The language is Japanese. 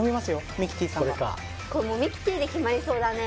ミキティさんがこれかもうミキティで決まりそうだね